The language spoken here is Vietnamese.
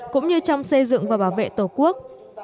cũng như trong xây dựng và bảo vệ tổ quốc